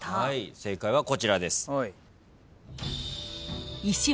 正解はこちらです。